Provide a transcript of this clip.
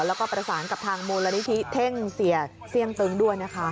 แล้วก็ประสานกับทางมูลนิธิเท่งเสียเสี่ยงตึงด้วยนะคะ